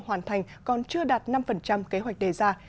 hoàn thành còn chưa đạt năm kế hoạch đề ra